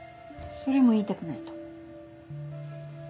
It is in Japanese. それも言いたくないと。